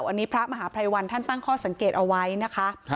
อันนี้พระมหาภัยวันท่านตั้งข้อสังเกตเอาไว้นะคะ